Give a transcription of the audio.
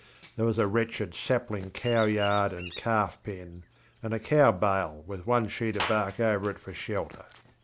There was a wretched sapling cow yard and calf pen, and a cow bail with one sheet of bark over it for shelter.